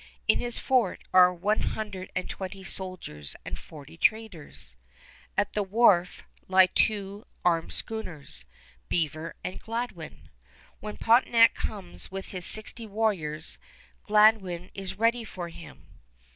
In his fort are one hundred and twenty soldiers and forty traders. At the wharf lie the two armed schooners, Beaver and Gladwin. When Pontiac comes with his sixty warriors Gladwin is ready for him.